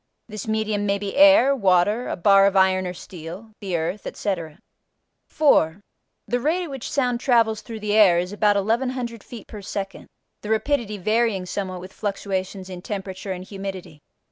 This medium may be air, water, a bar of iron or steel, the earth, etc. 4. The rate at which sound travels through the air is about 1100 feet per second, the rapidity varying somewhat with fluctuations in temperature and humidity.